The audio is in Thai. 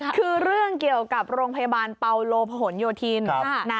คือเรื่องเกี่ยวกับโรงพยาบาลเปาโลพหนโยธิน